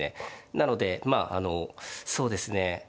なのでまああのそうですね